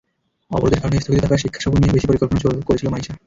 অবরোধের কারণে স্থগিত থাকা শিক্ষা সফর নিয়ে সবচেয়ে বেশি পরিকল্পনা করেছিল মাইশা।